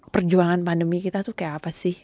perjuangan pandemi kita tuh kayak apa sih